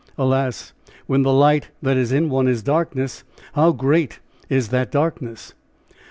Alas! "when the light that is in one is darkness, how great is that darkness!"